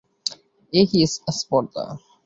এ কী আস্পর্ধা!